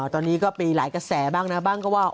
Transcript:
ตอนนี้ก็มีหลายกระแสบ้างนะบ้างก็ว่า